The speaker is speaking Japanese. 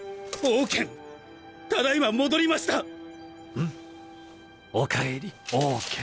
うんおかえりオウケン。